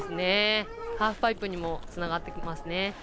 ハーフパイプにもつながってきます。